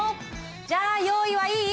じゃあ用意はいい？